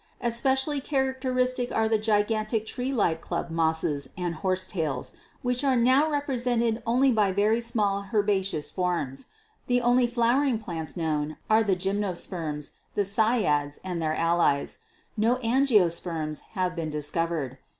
Especially characteristic are the gigantic tree like club mosses and horsetails, which are now represented only by very small herbaceous forms. The only flowering plants known are the Gymnosperms, the Cycads and their HISTORICAL GEOLOGY 209 allies; no Angiosperms have been discovered.